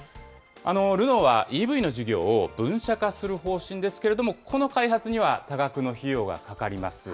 ルノーはＥＶの事業を、分社化する方針ですけれども、この開発には多額の費用がかかります。